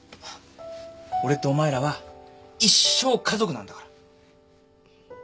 俺とお前らは一生家族なんだから。